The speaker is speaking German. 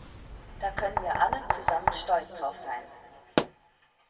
Da können wir alle zusammen stolz drauf sein!